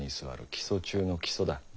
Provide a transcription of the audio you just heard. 基礎中の基礎だ。